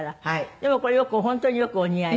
でもこれよく本当によくお似合い。